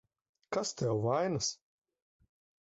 Kas tev vainas?